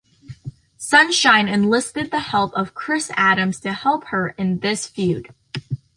Sunshine enlisted the help of Chris Adams to help her in this feud.